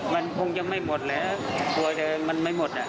มันคงจะไม่หมดแล้วมันไม่หมดอ่ะ